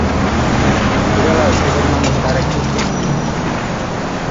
হীরালাল শেখর নামক তার এক পুত্র ছিল।